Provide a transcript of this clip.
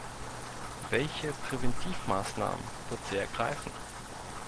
Welche Präventivmaßnahmen wird sie ergreifen?